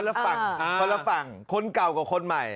คนละฝั่งคนเดียวกับคนใหม่